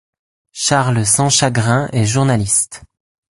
Charles Sanschagrin est journaliste.